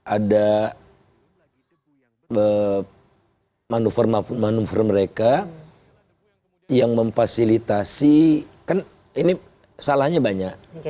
ada manuver manuver mereka yang memfasilitasi kan ini salahnya banyak